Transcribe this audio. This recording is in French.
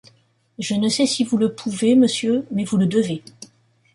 Je ne sais si vous le pouvez, monsieur, mais vous le devez.